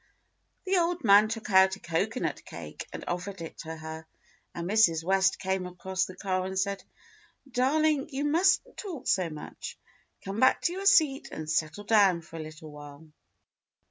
The old man took out a cocoanut cake and offered it to her, and Mrs. West came across the car and said, "Darling, you must n't talk so much; come back to your seat and settle down for a little while."